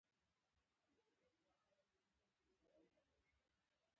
دولت د ملي لومړیتوبونو مسئول دی.